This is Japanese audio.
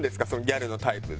ギャルのタイプ。